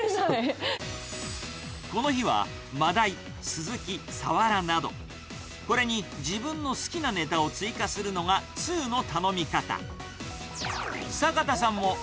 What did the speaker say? この日はマダイ、スズキ、サワラなど、これに自分の好きなネタを追加するのがつうの頼み方。